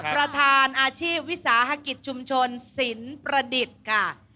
ประธานอาชีพวิสาหกิจชุมชนสินประดิษฐ์ค่ะ